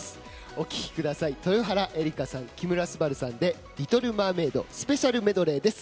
お聴きください豊原江理佳さん、木村昴さんで「リトル・マーメイド」スペシャルメドレーです。